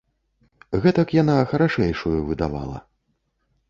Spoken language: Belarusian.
Гэтак яна харашэйшаю выдавала.